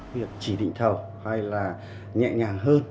việc chỉ định thầu hay là nhẹ nhàng hơn